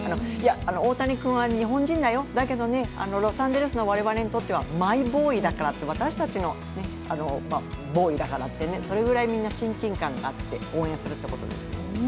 大谷君は日本人だよ、だけどね、ロサンゼルスの我々にとってはマイボーイだから、私たちのボーイだからってそれぐらいみんな親近感があって応援するということです。